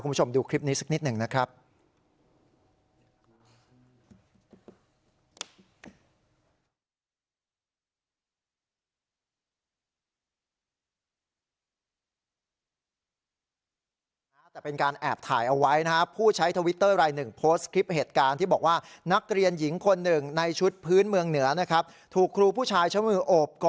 คุณผู้ชมดูคลิปนี้สักนิดหนึ่งนะครับ